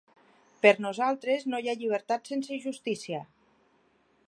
Per nosaltres, no hi ha llibertat sense justícia.